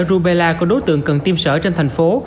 rubella có đối tượng cần tiêm sởi trên thành phố